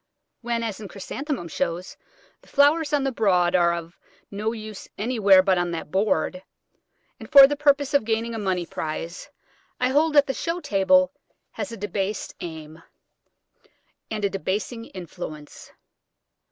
When, as in Chrysanthemum shows, the flowers on the board are of no use anywhere but on that board, and for the purpose of gaining a money prize, I hold that the show table has a debased aim, and a debasing influence.